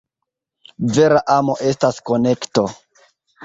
Vera amo estas konekto.